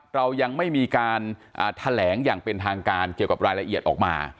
เรายังไม่มีการแถลงอย่างเป็นทางการเกี่ยวกับรายละเอียดออกมา